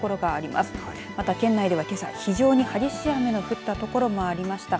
また、県内では非常に激しい雨の降った所もありました。